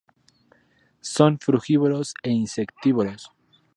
Son frugívoros e insectívoros.